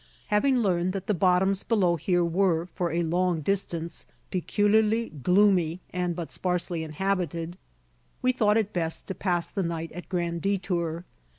Having learned that the bottoms below here were, for a long distance, peculiarly gloomy and but sparsely inhabited, we thought it best to pass the night at Grand Detour.